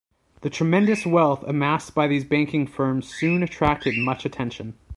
The tremendous wealth amassed by these banking firms soon attracted much attention.